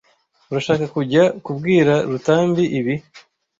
Urashaka kujya kubwira Rutambi ibi?